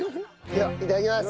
ではいただきます。